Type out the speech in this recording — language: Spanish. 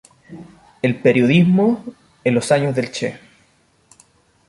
El periodismo en los años del Che.